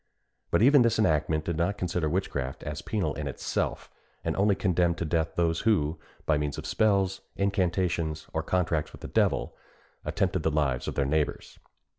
But even this enactment did not consider witchcraft as penal in itself, and only condemned to death those who, by means of spells, incantations, or contracts with the devil, attempted the lives of their neighbours.